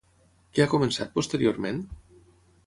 Què ha començat posteriorment?